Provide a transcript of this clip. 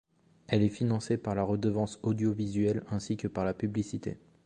Elle est financée par la redevance audiovisuelle, ainsi que par la publicité.